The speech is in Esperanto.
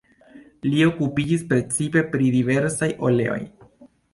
Li okupiĝis precipe pri la diversaj oleoj.